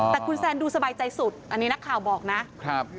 แต่คุณแซนดูสบายใจสุดอันนี้นักข่าวบอกนะครับ